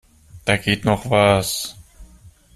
Da geht noch was.